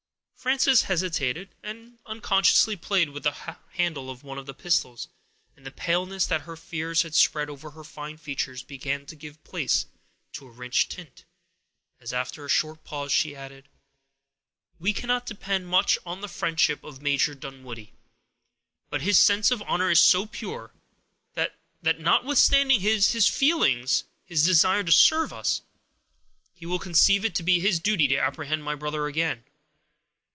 Frances hesitated, and unconsciously played with the handle of one of the pistols, and the paleness that her fears had spread over her fine features began to give place to a rich tint, as, after a short pause, she added,— "We can depend much on the friendship of Major Dunwoodie, but his sense of honor is so pure, that—that—notwithstanding his—his—feelings—his desire to serve us—he will conceive it to be his duty to apprehend my brother again.